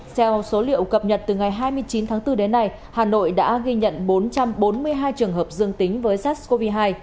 theo số liệu cập nhật từ ngày hai mươi chín tháng bốn đến nay hà nội đã ghi nhận bốn trăm bốn mươi hai trường hợp dương tính với sars cov hai